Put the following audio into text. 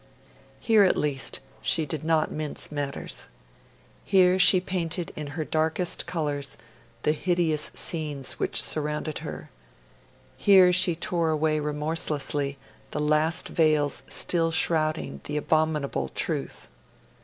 Here, at least, she did not mince matters. Here she painted in her darkest colours the hideous scenes which surrounded her; here she tore away remorselessly the last veils still shrouding the abominable truth.